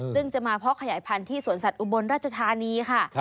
ซึ่งจะมาเพาะขยายพันธุ์ที่สวนสัตว์อุบลราชธานีค่ะ